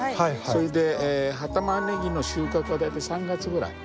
それで葉タマネギの収穫は大体３月ぐらい。